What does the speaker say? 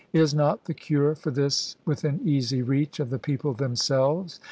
Is not the cure for this within easy reach of the people themselves?